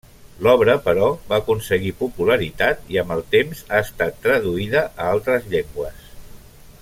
L'obra, però, va aconseguir popularitat i amb el temps ha estat traduïda a altres llengües.